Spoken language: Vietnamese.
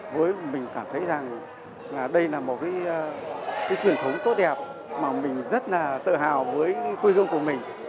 với mình cảm thấy rằng là đây là một truyền thống tốt đẹp mà mình rất là tự hào với quê hương của mình